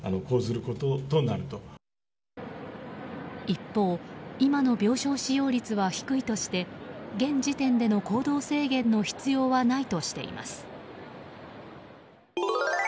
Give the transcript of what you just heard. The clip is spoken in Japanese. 一方今の病床使用率は低いとして現時点での行動制限の必要はないとしています。